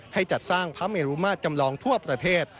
ให้จัดสร้างพระเมรุมาตรจำลองทั่วประเทศ